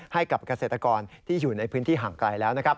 ให้กับเกษตรกรที่อยู่ในพื้นที่ห่างไกลแล้วนะครับ